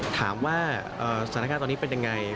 ถามว่าสถานการณ์ตอนนี้เป็นยังไง